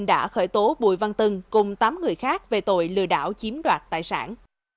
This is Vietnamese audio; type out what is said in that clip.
công an tp hcm đã khởi tố bùi văn tân cùng tám người khác về tội lừa đảo chiếm đoạt tài sản